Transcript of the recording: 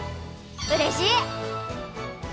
うれしい！